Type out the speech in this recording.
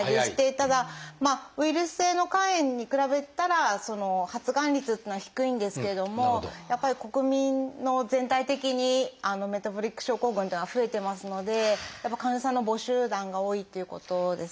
ただウイルス性の肝炎に比べたら発がん率というのは低いんですけれどもやっぱり国民の全体的にメタボリック症候群というのは増えてますので患者さんの母集団が多いっていうことですね。